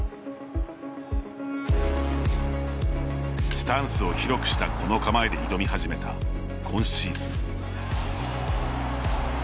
スタンスを広くしたこの構えで挑み始めた今シーズン。